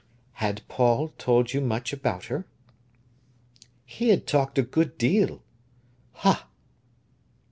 "Had Paul told you much about her?" "He had talked a good deal." "Ha!"